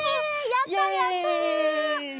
やったやった！